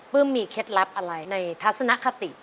มีเคล็ดลับอะไรในทัศนคติ